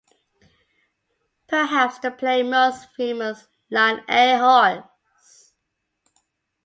Perhaps the play's most famous line-A horse!